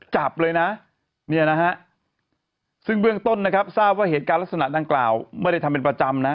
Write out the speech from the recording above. จับเลยนะเนี่ยนะฮะซึ่งเบื้องต้นนะครับทราบว่าเหตุการณ์ลักษณะดังกล่าวไม่ได้ทำเป็นประจำนะ